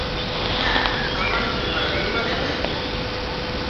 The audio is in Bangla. হ্যাঁ - তার মানে কি ভায়োলিন বাজাবে?